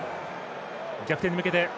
逆転に向けて。